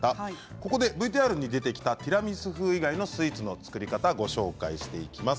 ここでＶＴＲに出てきたティラミス風以外のスイーツの作り方ご紹介していきます。